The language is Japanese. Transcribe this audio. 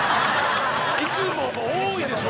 いつもも多いでしょ？